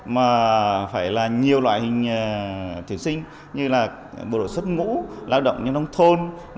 mà phải là nhiều loại hình thí sinh như là bộ đội xuất ngũ lao động nhân đồng thôn